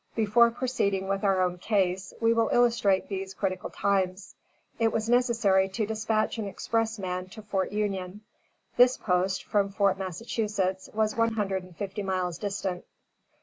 Before proceeding with our own case, we will illustrate these critical times. It was necessary to dispatch an expressman to Fort Union. This post, from Fort Massachusetts, was one hundred and fifty miles distant.